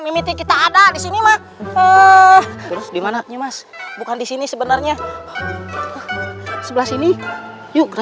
meminting kita ada di sini mah eh dimana mas bukan di sini sebenarnya sebelah sini yuk